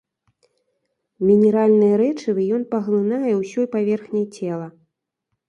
Мінеральныя рэчывы ён паглынае ўсёй паверхняй цела.